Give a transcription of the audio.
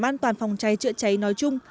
bảo đảm an toàn phòng cháy chữa cháy nói chung